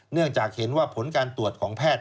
เนื่องจากเห็นว่าผลการตรวจของแพทย์